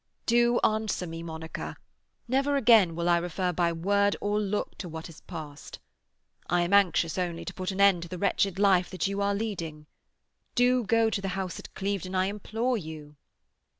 Do answer me, Monica. Never again will I refer by word or look to what has passed. I am anxious only to put an end to the wretched life that you are leading. Do go to the house at Clevedon, I implore you."